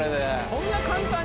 そんな簡単に？